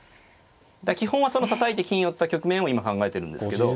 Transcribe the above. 基本はそのたたいて金寄った局面を今考えてるんですけど。